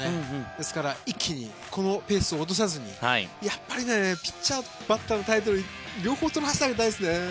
ですから、一気にこのペースを落とさずにやっぱりピッチャー、バッターのタイトル両方取らせてあげたいですね。